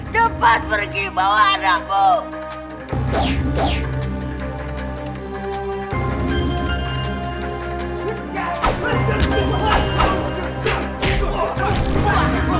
cepat pergi bawa anakmu